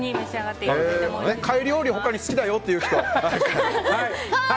貝料理他に好きだよっていう人？